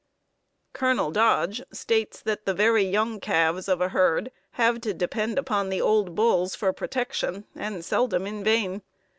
Colonel Dodge states that the very young calves of a herd have to depend upon the old bulls for protection, and seldom in vain.